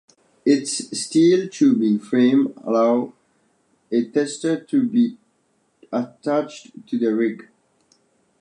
Its steel tubing frame allowed a tester to be attached to the rig.